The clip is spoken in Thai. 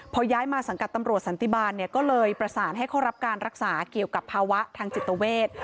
พอย้ายมาสังกัดตำรวจสันติบาลเนี่ยก็เลยประสานให้เขารับการรักษาเกี่ยวกับภาวะทางจิตเวท